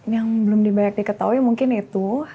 yang belum banyak diketahui mungkin itu